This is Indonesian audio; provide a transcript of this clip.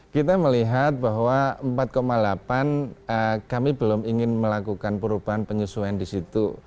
kita melihat bahwa empat delapan kami belum ingin melakukan perubahan penyesuaian di situ